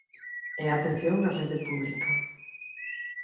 E atención na rede pública.